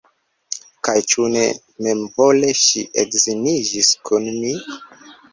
Kaj ĉu ne memvole ŝi edziniĝis kun mi?